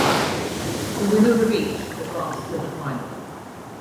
The winner of each advanced to the final.